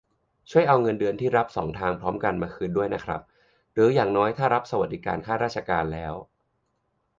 ช่วยเอาเงินเดือนที่รับสองทางพร้อมกันมาคืนด้วยนะครับ หรืออย่างน้อยถ้ารับสวัสดิการข้าราชการแล้ว